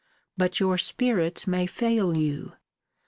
But your spirits may fail you.